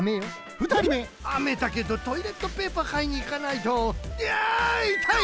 ふたりめあめだけどトイレットペーパーかいにいかないといやいたい！